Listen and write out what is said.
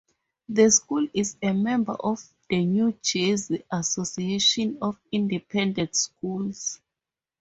The school is a member of the New Jersey Association of Independent Schools.